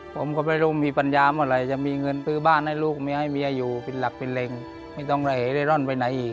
ผมก็ไม่รู้ว่าพี่ปัญญาโมยาวอะไรจะมีเงินซื้อบ้านให้ลูกเก็นให้เจ้าบ้านอยู่ปินหลักปินเล็งไม่ต้องเหละให้เร่ร่อนไปไหนอีก